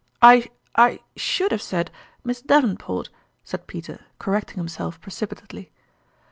" I I should have said Miss Davenport," said Peter, correcting himself precipitately.